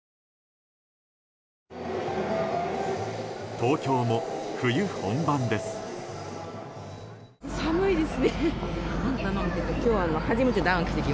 東京も、冬本番です。